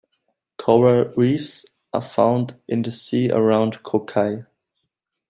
Coral reefs are found in the sea around Ko Khai.